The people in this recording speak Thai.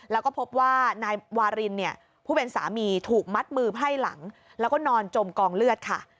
แล้วก็พบว่านายวารินเนี่ยผู้เป็นสามีถูกมัดมือไพร่หลังแล้วก็นอนจมกองเลือดค่ะ